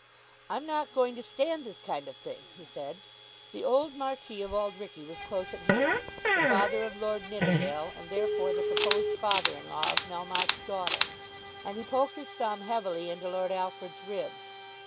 "I'm not going to stand this kind of thing," he said. The old Marquis of Auld Reekie was close at hand, the father of Lord Nidderdale, and therefore the proposed father in law of Melmotte's daughter, and he poked his thumb heavily into Lord Alfred's ribs.